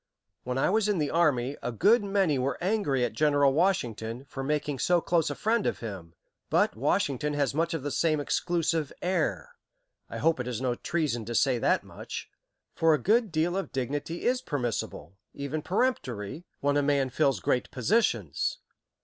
When I was in the army, a good many were angry at General Washington, for making so close a friend of him but Washington has much of the same exclusive air. I hope it is no treason to say that much, for a good deal of dignity is permissible, even peremptory, when a man fills great positions.